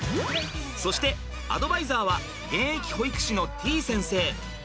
そしてアドバイザーは現役保育士のてぃ先生。